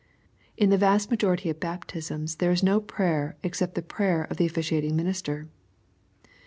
In the vast majority of baptisms there is no prayer except the prayer of the offi ciating minister.